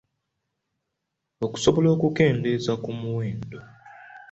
Okusobola okukendeeza ku muwendo.